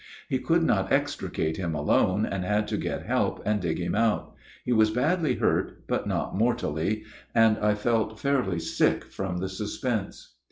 He could not extricate him alone, and had to get help and dig him out. He was badly hurt, but not mortally, and I felt fairly sick from the suspense.